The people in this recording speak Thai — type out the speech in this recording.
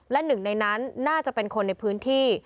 และหนึ่งในนั้นน่าจะเป็นคนในพื้นที่